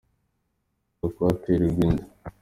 aza kuhatererwa inda